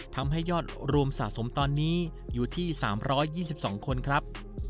ทำให้ยอดรวมสะสมตอนนี้อยู่ที่๓๒๒คนครับ